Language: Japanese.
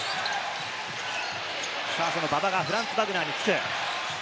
馬場がフランツ・バグナーにつく。